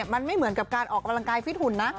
มันไม่เหมือนกับการออกกำลังกายฟิตหุ่นนะ